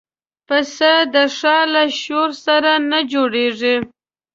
پسه د ښار له شور سره نه جوړيږي.